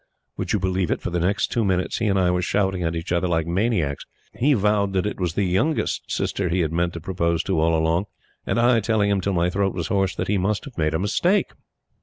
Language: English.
Would you believe it, for the next two minutes, he and I were shouting at each other like maniacs he vowing that it was the youngest sister he had meant to propose to all along, and I telling him till my throat was hoarse that he must have made a mistake!